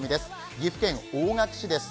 岐阜県大垣市です。